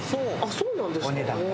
そうなんですか。